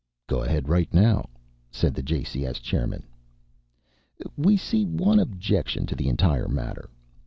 "Go ahead right now," said the JCS chairman. "We see one objection to the entire matter.